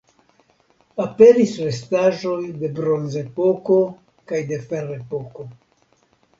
Aperis restaĵoj de Bronzepoko kaj de Ferepoko.